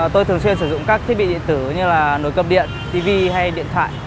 tôi thường xuyên sử dụng các thiết bị điện tử như là nối cấp điện tv hay điện thoại